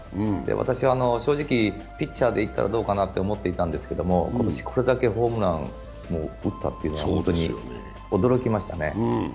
私、正直、ピッチャーでいったらどうかなと思っていたんですが、今年これだけホームランも打ったのは本当に驚きましたね。